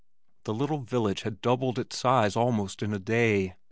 The little village had doubled in size almost in a day.